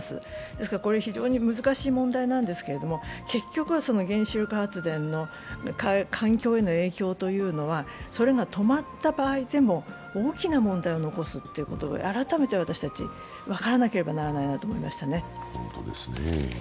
ですから、非常に難しい問題なんですけれども、結局は原子力発電の環境への影響というのはそれが止まった場合でも、大きな問題を残すということを改めて私たち、分からなければならないなと思いましたね。